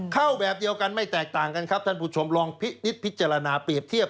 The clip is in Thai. เข้าแบบเดียวกันไม่แตกต่างกันครับท่านผู้ชมลองพินิษฐพิจารณาเปรียบเทียบ